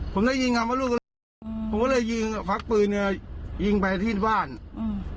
ผมได้ยิงกลับมารู้ผมก็เลยยิงฟักปืนเนี้ยยิงไปที่บ้านอืม